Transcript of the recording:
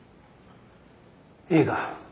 いいか？